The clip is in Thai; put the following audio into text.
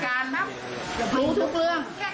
สถานการณ์รู้ทุกเรื่อง